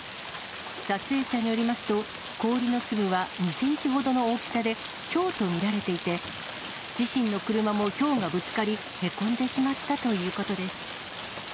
撮影者によりますと、氷の粒は２センチほどの大きさで、ひょうと見られていて、自身の車もひょうがぶつかり、へこんでしまったということです。